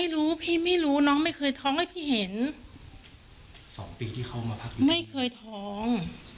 เหมือนไม่เห็นห้อง